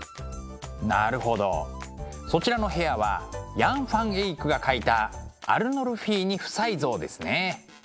なるほどそちらの部屋はヤン・ファン・エイクが描いた「アルノルフィーニ夫妻像」ですね。